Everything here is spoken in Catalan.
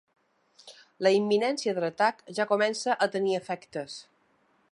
La imminència de l’atac ja comença a tenir efectes.